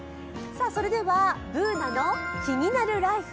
それでは「ＢｏｏｎａのキニナルＬＩＦＥ」。